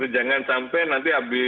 jangan sampai nanti